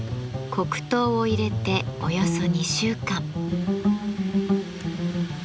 黒糖を入れておよそ２週間。